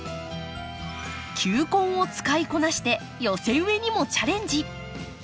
球根を使いこなして寄せ植えにもチャレンジ。